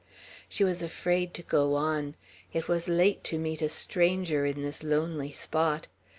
She was afraid to go on. It was late to meet a stranger in this lonely spot.